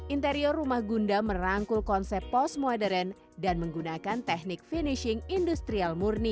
interior rumah gunda merangkul konsep post modern dan menggunakan teknik finishing industrial murni